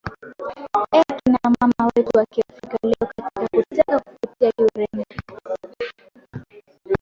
eeh kina mama wetu wa kiafrika leo katika kutaka kufutia kiurembo